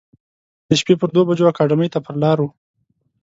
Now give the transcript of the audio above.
د شپې پر درو بجو اکاډمۍ ته پر لار و.